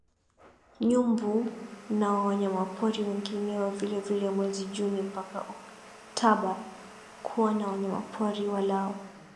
nyumbu na wanyamapori wengineo Vile vile mwezi Juni mpaka Oktaba kuona wanyamapori walao